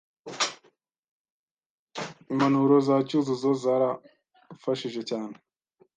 Impanuro za Cyuzuzo zarafashije cyane.